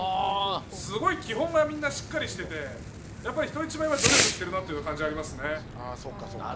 すごい基本がみんなしっかりしててやっぱり人一倍は努力してるなという感じはありますね。